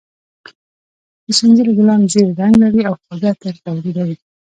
د سنځلې ګلان زېړ رنګ لري او خواږه عطر تولیدوي.